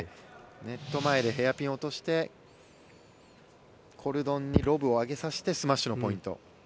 ネット前でヘアピンを落としてコルドンにロブを上げさせてスマッシュのポイント。